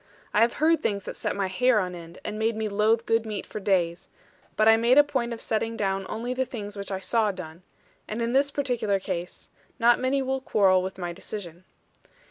I have heard things that set my hair on end, and made me loathe good meat for days; but I make a point of setting down only the things which I saw done; and in this particular case, not many will quarrel with my decision.